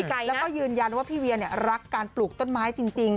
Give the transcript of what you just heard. แล้วก็ยืนยันว่าพี่เวียรักการปลูกต้นไม้จริง